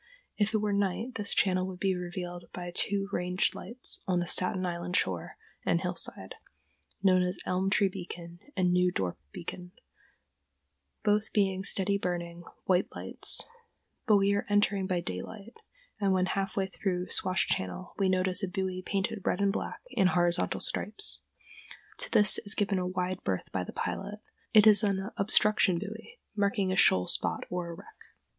If it were night this channel would be revealed by two range lights on the Staten Island shore and hillside, known as Elm Tree Beacon and New Dorp Beacon, both being steady burning, white lights; but we are entering by daylight, and when half way through Swash Channel we notice a buoy painted red and black in horizontal stripes. To this is given a wide berth by the pilot. It is an "obstruction" buoy marking a shoal spot or a wreck.